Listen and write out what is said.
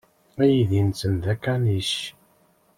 Aydi-nsen d akanic.